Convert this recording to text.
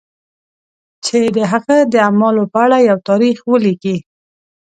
چې د هغه د اعمالو په اړه یو تاریخ ولیکي.